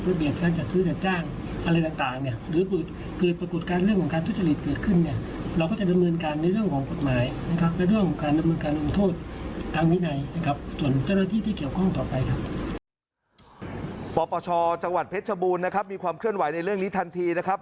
ปปชจังหวัดเพชรชบูรณ์นะครับมีความเคลื่อนไหวในเรื่องนี้ทันทีนะครับ